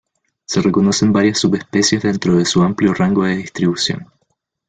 Se reconocen varias subespecies dentro de su amplio rango de distribución.